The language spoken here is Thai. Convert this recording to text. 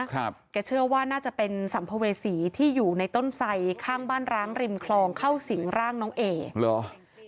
แกเชื่อว่าน่าจะเป็นสัมภเวษีที่อยู่ในต้นไสข้างบ้านร้างริมคลองเข้าสิงร่างน้องเอเหรอ